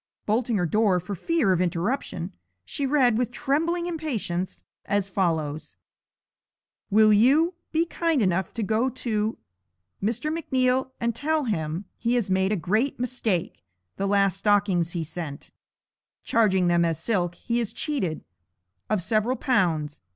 Bolting her door for fear of interruption, she read, with trembling impatience, as follows: 'Will you be kind enough to go to Mr. McNeal, and tell him he has made a great mistake the last stockings he sent; (charging them as silk) he has cheated of several pounds.